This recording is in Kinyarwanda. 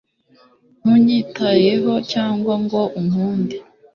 ntunyitayeho cyangwa ngo unkunde